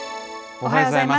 おはようございます。